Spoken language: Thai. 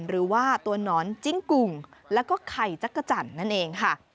หรือว่าตัวหนอนจิ้งกุ่งแล้วก็ไข่จักรจันทร์นั่นเองค่ะ